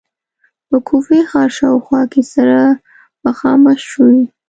په کوفې ښار شاوخوا کې سره مخامخ شوې.